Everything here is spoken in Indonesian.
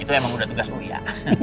itu emang udah tugasmu ya